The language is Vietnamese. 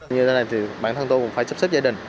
như thế này thì bản thân tôi cũng phải sắp xếp gia đình